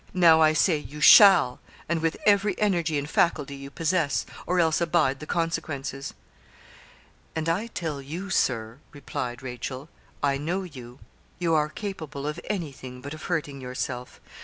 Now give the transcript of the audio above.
Now I say you shall, and with every energy and faculty you possess, or else abide the consequences.' 'And I tell you, Sir,' replied Rachel, 'I know you; you are capable of anything but of hurting yourself.